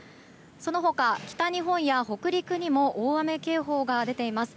その他、北日本や北陸にも大雨警報が出ています。